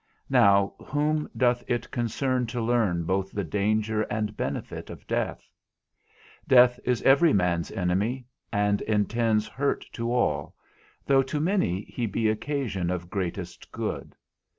Now, whom doth it concern to learn both the danger and benefit of death? Death is every man's enemy, and intends hurt to all, though to many he be occasion of greatest good.